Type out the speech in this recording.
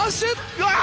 うわ！